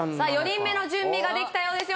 ４人目の準備ができたようです